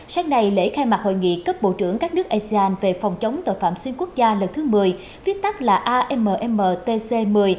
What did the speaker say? sáng nay lễ khai mạc hội nghị cấp bộ trưởng các nước asean về phòng chống tội phạm xuyên quốc gia lần thứ một mươi